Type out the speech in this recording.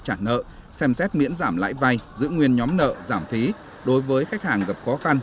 trả nợ xem xét miễn giảm lãi vay giữ nguyên nhóm nợ giảm phí đối với khách hàng gặp khó khăn